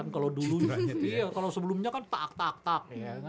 kalau dulu sebelumnya kan tak tak tak